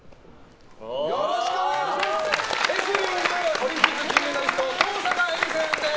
よろしくお願いします！